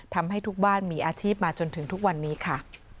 ทำให้ทุกบ้านมีอาชีพมาจนถึงทุกวันนี้ค่ะ